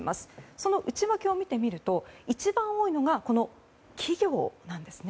その内訳を見てみると一番多いのがこの企業なんですね。